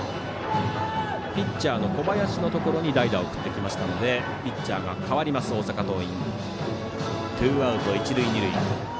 ピッチャーの小林のところに代打を送ってきたのでピッチャーが代わります大阪桐蔭。